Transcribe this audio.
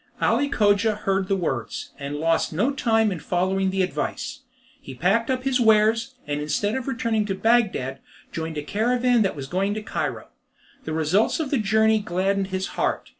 Ali Cogia heard the words, and lost no time in following the advice. He packed up his wares, and instead of returning to Bagdad, joined a caravan that was going to Cairo. The results of the journey gladdened his heart.